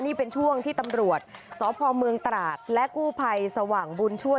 นี่เป็นช่วงที่ตำรวจสพเมืองตราดและกู้ภัยสว่างบุญช่วย